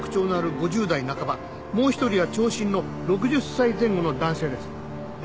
もう１人は長身の６０歳前後の男性です。